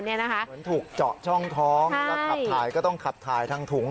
เหมือนถูกเจาะช่องท้องแล้วขับถ่ายก็ต้องขับถ่ายทางถุง